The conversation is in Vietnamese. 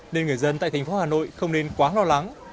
nên người dân tại thành phố hà nội không nên quá lo lắng